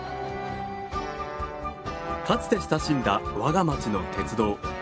かつて親しんだ我が町の鉄道。